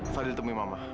fadil temui mama